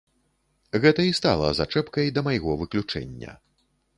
Гэта і стала зачэпкай да майго выключэння.